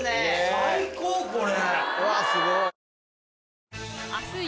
最高これ。